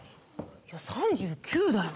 いや３９だよ。